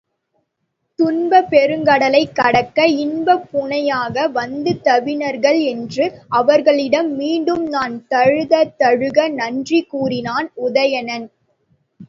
துன்பப் பெருங்கடலைக் கடக்க இன்பப் புணையாக வந்துதவினர்கள் என்று அவர்களிடம் மீண்டும் நா தழுதழுக்க நன்றி கூறினான் உதயணன்.